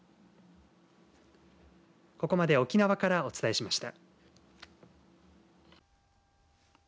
ここまで沖縄からお伝えしました。